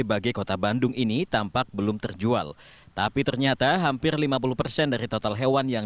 bagai kota bandung ini tampak belum terjual tapi ternyata hampir lima puluh persen dari total hewan yang